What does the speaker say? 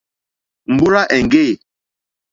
Mbúrzà èŋɡê.